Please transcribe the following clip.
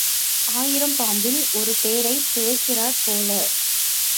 ஆயிரம் பாம்பில் ஒரு தேரை பிழைக்கிறாற் போல.